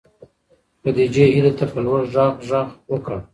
خدیجې هیلې ته په لوړ غږ غږ وکړ.